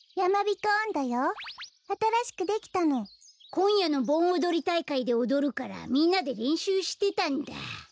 こんやのぼんおどりたいかいでおどるからみんなでれんしゅうしてたんだ。